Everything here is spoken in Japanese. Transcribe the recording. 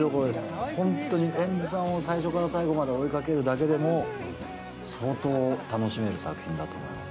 蓮司さんを最初から最後まで追いかけるだけでも相当楽しめる作品だと思います。